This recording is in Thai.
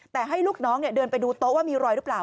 แต่ให้ลูกน้องเดินไปดูโต๊ะว่ามีรอยหรือเปล่า